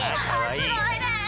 すごいね！